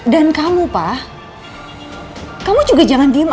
dan kamu pak kamu juga jangan diem aja dong